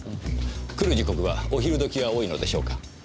来る時刻はお昼時が多いのでしょうか？